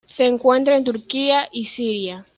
Se encuentra en Turquía y Siria.